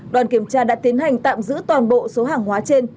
đoàn kiểm tra đã tiến hành tạm giữ toàn bộ số hàng hóa trên